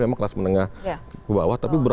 memang kelas menengah kebawah tapi